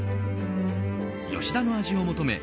よし田の味を求め